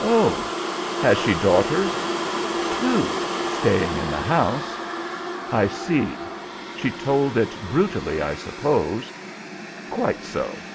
"Oh! Has she daughters?" "Two staying in the house." "I see. She told it brutally, I suppose?" "Quite so."